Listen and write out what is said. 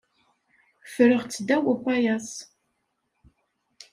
Ffreɣ-tt ddaw upayaṣ.